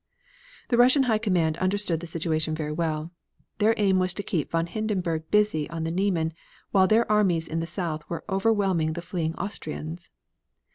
The Russian High Command understood the situation very well. Their aim was to keep von Hindenburg busy on the Niemen, while their armies in the south were overwhelming the fleeing Austrians.